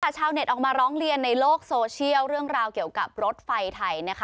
ชาวเน็ตออกมาร้องเรียนในโลกโซเชียลเรื่องราวเกี่ยวกับรถไฟไทยนะคะ